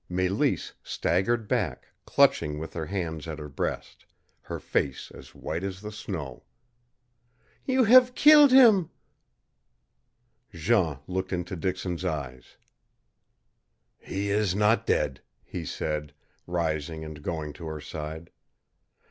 Mélisse staggered back, clutching with her hands at her breast, her face as white as the snow. "You have killed him!" Jean looked into Dixon's eyes. "He is not dead," he said, rising and going to her side.